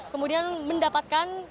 kemudian mendapatkan penyelamat